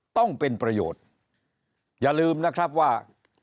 ต้องเป็นประโยชน์อย่าลืมนะครับว่า